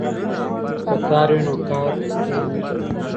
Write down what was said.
که تار وي نو کارډستي نه ځوړندیږي.